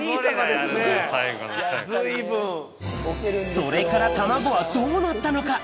それから卵はどうなったのか？